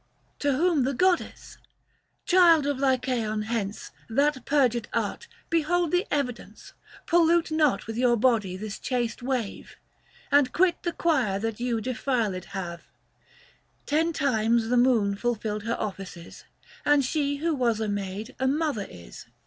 To whom the goddess :" Child of Lycaon hence ! That perjured art — behold the evidence ! Pollute not with your body this chaste wave,' 175 And quit the Choir, that you defiled have." Ten times the moon fulfilled her offices, And she who was a maid a mother is.